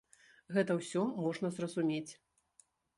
Гэта ўсё можна зразумець.